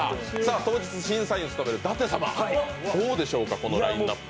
当日審査員を務める舘様、どうでしょうか、このラインナップ。